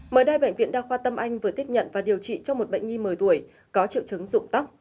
mới đây bệnh viện đa khoa tâm anh vừa tiếp nhận và điều trị cho một bệnh nhi một mươi tuổi có triệu chứng dụng tóc